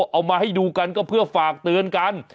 เอามาให้ดูกันก็เพื่อฝากเตือนกัน